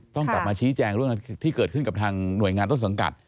ต้องกลับมาชี้แจงเรื่องที่เกิดขึ้นกับทางหน่วยงานต้นสังกัด